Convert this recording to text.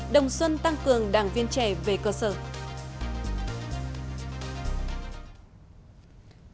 đồng xuân tăng cường điện gió tuy phong và phú quý đập thủy lợi tân hợp chưa bàn giao đã hư hỏng và súng cấp